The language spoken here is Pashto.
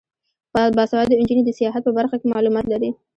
باسواده نجونې د سیاحت په برخه کې معلومات لري.